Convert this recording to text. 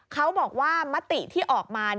เขาบอกว่ามติที่ออกมา